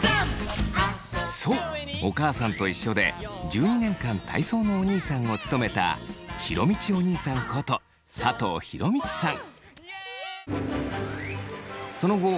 そう「おかあさんといっしょ」で１２年間体操のおにいさんを務めた弘道おにいさんこと佐藤弘道さん。